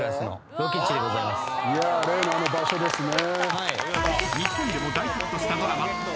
いや例のあの場所ですね。